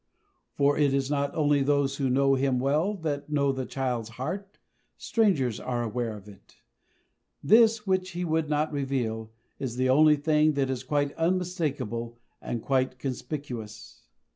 For it is not only those who know him well that know the child's heart; strangers are aware of it. This, which he would not reveal, is the only thing that is quite unmistakable and quite conspicuous.